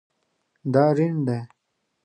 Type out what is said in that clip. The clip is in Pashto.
دا ریڼ دی